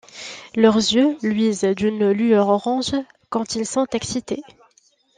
Leurs yeux luisent d'une lueur orange quand ils sont excités.